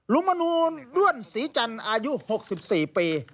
มนูลด้วนศรีจันทร์อายุ๖๔ปี